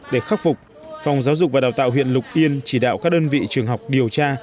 để khắc phục phòng giáo dục và đào tạo huyện lục yên chỉ đạo các đơn vị trường học điều tra